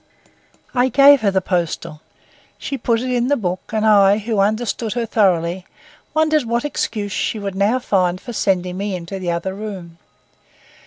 I gave her the postal. She put it in the book and I, who understood her thoroughly, wondered what excuse she would now find for sending me into the other room.